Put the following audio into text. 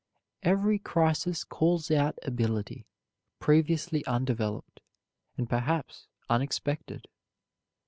Every crisis calls out ability, previously undeveloped, and perhaps unexpected.